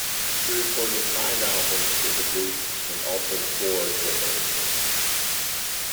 She recorded five albums with the group and also toured with them.